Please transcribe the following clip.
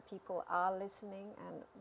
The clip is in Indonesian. apakah itu menurut anda